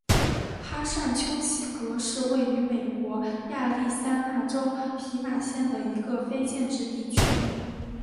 哈尚丘奇格是位于美国亚利桑那州皮马县的一个非建制地区。